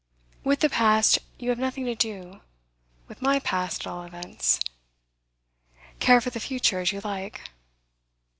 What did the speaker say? With the past you have nothing to do, with my past, at all events. Care for the future as you like.